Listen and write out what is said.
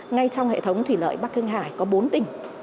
ngay trong hệ thống thủy lợi bắc hưng hải có bốn tỉnh